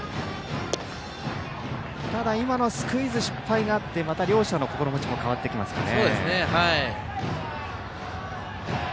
ただ、今のスクイズ失敗があってまた、両者の心持ちもそうですね。